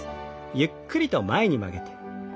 ゆっくりと前に曲げて。